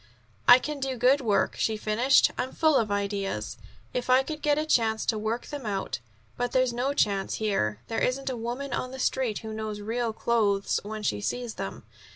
"I can do good work," she finished. "I'm full of ideas, if I could get a chance to work them out. But there's no chance here. There isn't a woman on the Street who knows real clothes when she sees them.